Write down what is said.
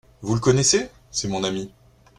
Vous le connaissez ? C'est mon ami.